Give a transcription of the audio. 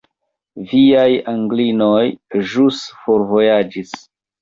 Viaj Anglinoj ĵus forvojaĝis.